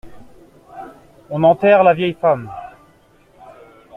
On enterre la vieille femme.